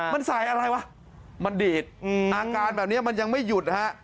มันใส่อะไรวะมันดีดอาการแบบนี้มันยังไม่หยุดนะฮะ